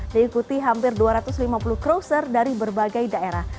diikuti hampir dua ratus lima puluh crowser dari berbagai daerah